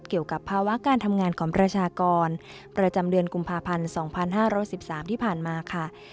เกี่ยวกับภาวะการทำงานของประชากรประจำเดือนกุมภาพันธ์๒๕๑๓ที่ผ่านมาค่ะ